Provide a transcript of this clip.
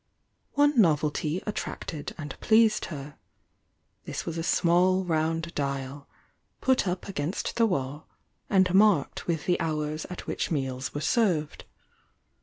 One novelty attracted and pleased her, — this was a small round dial, put up against the wall, and marked with the hours at which meals were served.